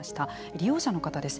利用者の方です。